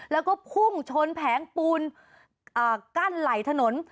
แล้วก็พุ่งชนแผงปูนกั้นไหล่ถนน